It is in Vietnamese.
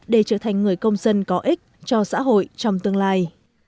để trở thành người công dân có ích cho xã hội trong tương lai